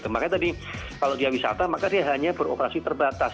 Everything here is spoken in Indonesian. makanya tadi kalau dia wisata maka dia hanya beroperasi terbatas